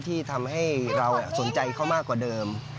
ที่ทำให้เราสนใจเขามากกว่าเดิม